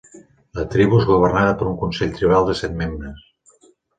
La tribu és governada per un consell tribal de set membres.